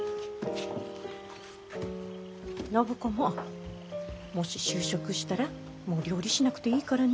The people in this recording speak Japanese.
暢子ももし就職したらもう料理しなくていいからね。